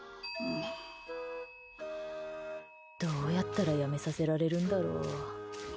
どうやったらやめさせるんだろう。